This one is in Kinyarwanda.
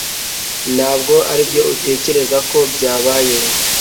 ntabwo aribyo utekereza ko byabaye